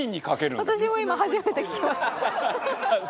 奈緒：私も今初めて聞きました。